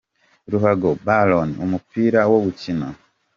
Ruhago : “Ballon” : Umupira wo gukina.